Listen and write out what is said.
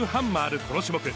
この種目。